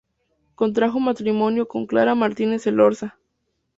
Contrajo matrimonio con Clara Martínez Elorza.